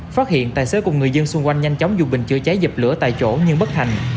phát hiện tài xế cùng người dân xung quanh nhanh chóng dùng bình chữa cháy dập lửa tại chỗ nhưng bất hành